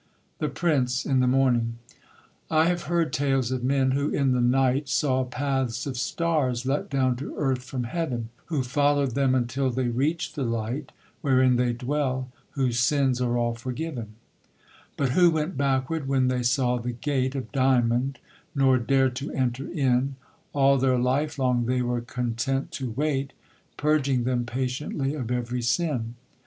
THE PRINCE, in the morning. I have heard tales of men, who in the night Saw paths of stars let down to earth from heaven, Who followed them until they reach'd the light Wherein they dwell, whose sins are all forgiven; But who went backward when they saw the gate Of diamond, nor dared to enter in; All their life long they were content to wait, Purging them patiently of every sin.